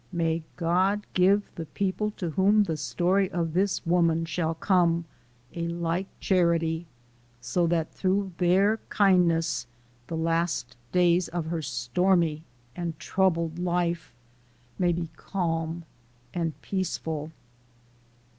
May God give the people to whom the story of this woman shall come, a like charity, so that through their kind ness the last days of her stormy and troubled life may be calm and peaceful.